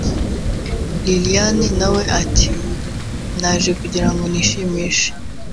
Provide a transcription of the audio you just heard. Liliane na we ati “Naje kugira ngo nishimishe